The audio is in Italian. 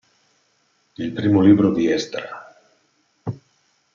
Il Primo Libro di Esdra.